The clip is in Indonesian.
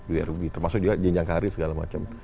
ya lebih termasuk jenjang kari segala macam